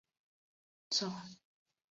掌握数据的逻辑结构